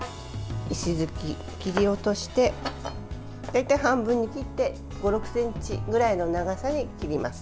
石突きを切り落として大体半分に切って５６ｃｍぐらいの長さに切ります。